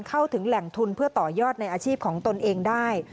เข้าถึงแหล่งทุนเพื่อต่อยอดในอาชีพของตนเองได้